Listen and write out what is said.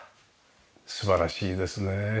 素晴らしいですね。